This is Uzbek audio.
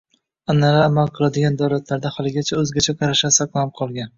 Anʼanalar amal qiladigan davlatlarda haligacha oʻzgacha qarashlar saqlanib qolgan.